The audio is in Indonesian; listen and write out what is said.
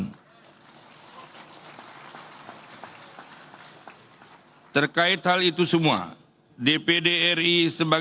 kami mendukung rencana pemerintah untuk segera merealisasikan pemindahan ibu kota negara ke pulau kalimantan